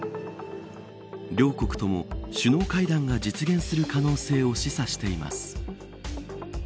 両国とも首脳会談が実現する可能性も示唆しています。